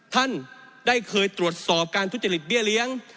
ท่านได้เคยตรวจสอบการทุจริตเบี้ยเลี้ยง